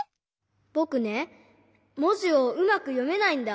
ぼくねもじをうまくよめないんだ。